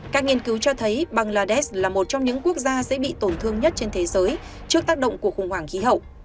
các nghiên cứu cho thấy bangladesh là một trong những quốc gia dễ bị tổn thương nhất trên thế giới trước tác động của khủng hoảng khí hậu